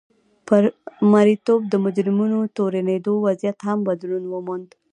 پر مریتوب د مجرمینو تورنېدو وضعیت هم بدلون وموند.